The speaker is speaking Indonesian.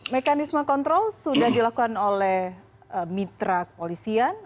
mekanisme kontrol sudah dilakukan oleh mitra kepolisian